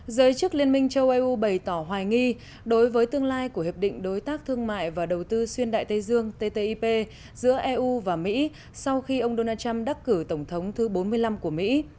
giới chức liên minh châu âu bày tỏ hoài nghi đối với tương lai của hiệp định đối tác thương mại và đầu tư xuyên đại tây dương ttip giữa eu và mỹ sau khi ông donald trump đắc cử tổng thống thứ bốn mươi năm của mỹ